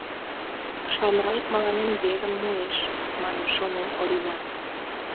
«Шамрай мыланем верым муэш», — манын шонен Орина.